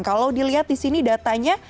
kalau dilihat di sini datanya